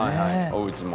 おうちも。